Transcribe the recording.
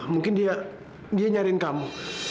mungkin dia dia nyariin kamu